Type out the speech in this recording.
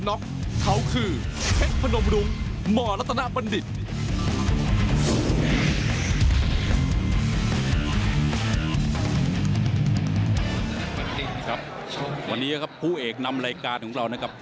พบกับเพชรพนมรุงมรัฐนาบรรดิษฐ์นี่กลุ่มเพชรอินดีครับส่งเข้าประกวดครับ